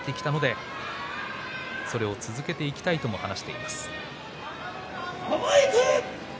ここまで上がってきたのでそれを続けていきたいと話していました。